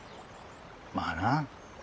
まあな。